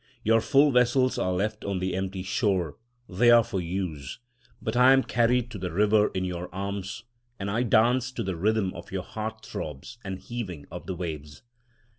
Your full vessels are left on the empty shore, they are for use; But I am carried to the river in your arms, and I dance to the rhythm of your heart throbs and heaving of the waves.